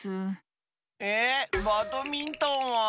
えっバドミントンは？